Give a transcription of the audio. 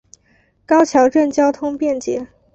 高桥镇交通便捷。